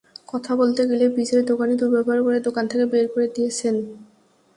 কথা বলতে গেলে বীজের দোকানি দুর্ব্যবহার করে দোকান থেকে বের করে দিয়েছেন।